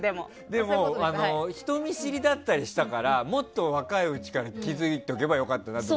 でも人見知りだったりしたからもっと若いうちから気付いておけばよかったなと。